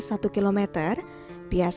biasanya ia kenakan sepuluh rupiah